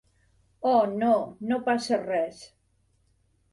Oh, no, no passa res.